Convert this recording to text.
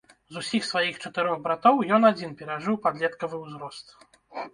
З усіх сваіх чатырох братоў ён адзін перажыў падлеткавы ўзрост.